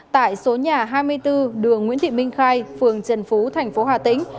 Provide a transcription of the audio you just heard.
tại số nhà hai mươi bốn đường nguyễn thị minh khai phường trần phú thành phố hà tĩnh